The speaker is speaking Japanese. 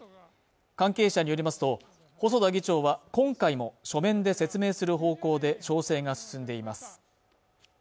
関係者によりますと細田議長は今回も書面で説明する方向で調整が進んでいます